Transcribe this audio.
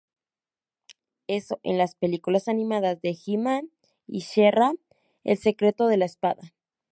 Eso en la película animada de He-Man y She-Ra: El secreto de la espada.